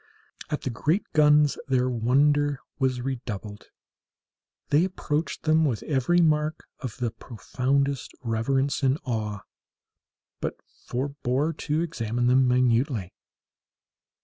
At the great guns their wonder was redoubled. They approached them with every mark of the profoundest reverence and awe, but forbore to examine them minutely.